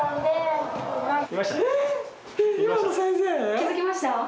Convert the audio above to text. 気付きました？